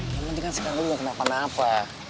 yang penting kan sekarang gue gak kenapa napa